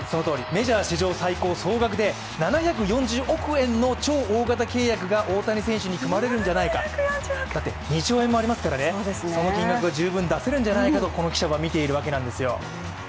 メジャー史上最高の総額で７４０億円の超大型契約が大谷選手に組まれるんじゃないかだって２兆円もありますからその金額も十分出せるんじゃないかとこの記者は見ているわけなんですよ。